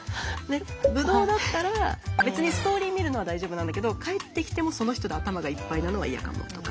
ブドウだったら別にストーリー見るのは大丈夫なんだけど帰ってきてもその人で頭がいっぱいなのはイヤかもとか。